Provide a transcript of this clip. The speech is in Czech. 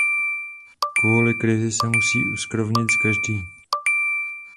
Kvůli krizi se musí uskrovnit každý.